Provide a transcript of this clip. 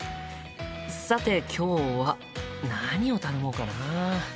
さて今日は何を頼もうかな？